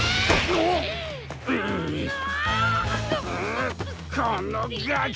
うこのガキ！